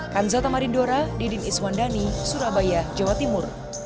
kanzata marindora didin iswandani surabaya jawa timur